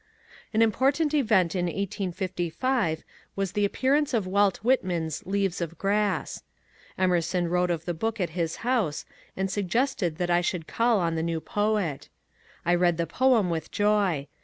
An important event in 1855 was the appearance of Walt Whitman's ^^ Leaves of Grass." Emerson spoke of the book at his house, and suggested that I should call on the new poet I read the poem with joy.